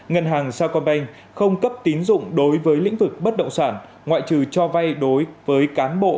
ngân hàng saocombank không cấp tín dụng đối với lĩnh vực bất động sản ngoại trừ cho vay đối với cán bộ